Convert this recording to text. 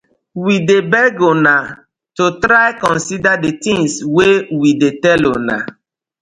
We dey beg una to try consider the tinz wey we dey tell una.